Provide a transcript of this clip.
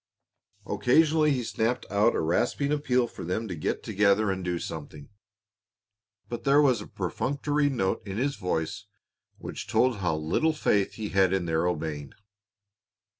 Occasionally he snapped out a rasping appeal for them to get together and do something, but there was a perfunctory note in his voice which told how little faith he had in their obeying.